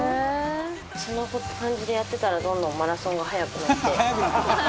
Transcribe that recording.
その感じでやってたらどんどんマラソンが速くなって。